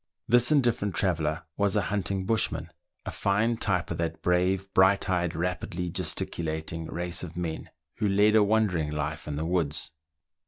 This indifferent traveller was a hunting bushman, a fine type of that brave, bright eyed, rapidly gesticulating race of men, who lead a wandering life in the woods.